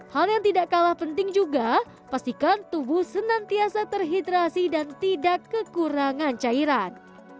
hal yang tidak kalah penting juga pastikan tubuh senantiasa terhidrasi dan tidak kekurangan cairan